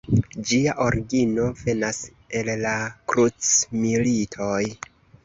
Ĝia origino venas el la Krucmilitoj.